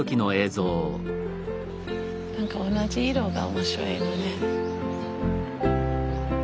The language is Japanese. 何か同じ色が面白いよね。